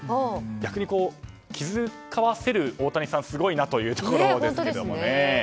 逆に気遣わせる大谷さんはすごいなというところですけどね。